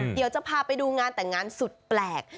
เดี๋ยวจะพาไปดูงานแต่งงานสุดแปลก